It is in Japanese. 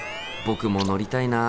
僕も乗りたいな